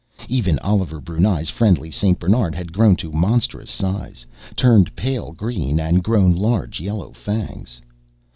Even Oliver Brunei's friendly Saint Bernard had grown to monstrous size, turned pale green, and grown large yellow fangs.